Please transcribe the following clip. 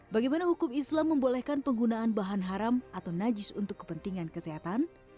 bagaimana hukum islam membolehkan penggunaan bahan haram atau najis untuk kepentingan kesehatan